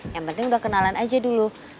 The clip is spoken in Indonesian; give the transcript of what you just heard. yang penting udah kenalan aja dulu